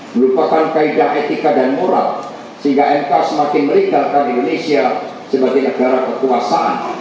merupakan kaedah etika dan moral sehingga mk semakin merikatkan indonesia sebagai negara kekuasaan